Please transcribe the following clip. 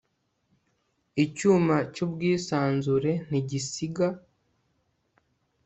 Icyuma cyubwisanzure ntigisiga